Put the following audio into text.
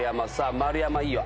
丸山いいよ。